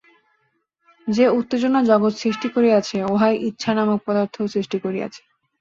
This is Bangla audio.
যে উত্তেজনা জগৎ সৃষ্টি করিয়াছে, উহাই ইচ্ছা নামক পদার্থও সৃষ্টি করিয়াছে।